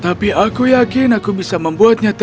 tapi aku yakin roku bisa membuatnya cathy